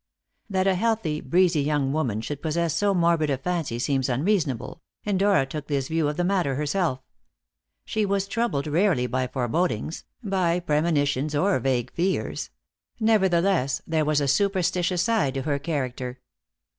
That a healthy, breezy young woman should possess so morbid a fancy seems unreasonable; and Dora took this view of the matter herself. She was troubled rarely by forebodings, by premonitions, or vague fears; nevertheless, there was a superstitious side to her character.